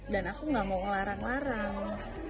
dan aku gak mau ngelarang larang